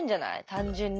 単純に。